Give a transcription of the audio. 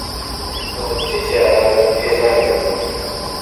ئەوەندەی جاران پێناکەنم.